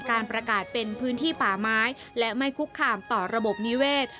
การประกาศเป็นพื้นที่ป่าไม้และไม่คุกคามต่อระบบนิเวศ